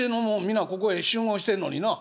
みんなここへ集合してんのにな。